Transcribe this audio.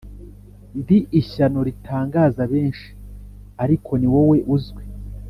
Ndi ishyano ritangaza benshi Ariko ni wowe uzwi